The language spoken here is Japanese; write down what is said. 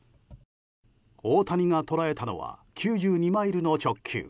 大谷が捉えたのは９２マイルの直球。